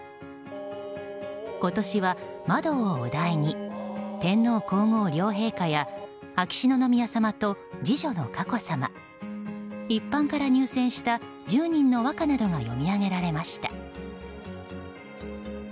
今年は「窓」をお題に天皇・皇后両陛下や秋篠宮さまと次女の佳子さま一般から入選した１０人の和歌などが詠み上げられました。